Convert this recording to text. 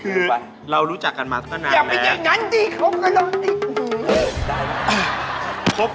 คือเรารู้จักกันมาก็นานแล้ว